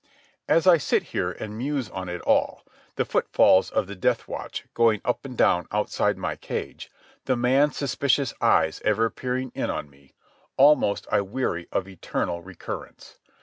As I sit here and muse on it all, the footfalls of the death watch going up and down outside my cage, the man's suspicious eyes ever peering in on me, almost I weary of eternal recurrence.